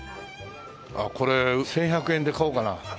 あっこれ１１００円で買おうかな。